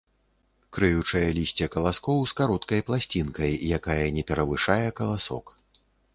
Крыючае лісце каласкоў з кароткай пласцінкай, якая не перавышае каласок.